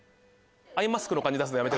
アイマスクの感じ出すのやめて。